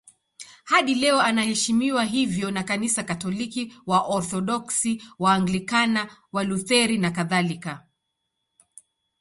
Hadi leo anaheshimiwa hivyo na Kanisa Katoliki, Waorthodoksi, Waanglikana, Walutheri nakadhalika.